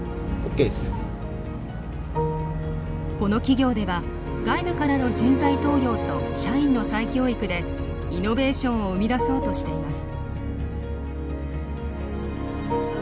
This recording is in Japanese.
この企業では外部からの人材登用と社員の再教育でイノベーションを生み出そうとしています。